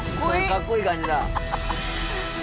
かっこいい感じだ。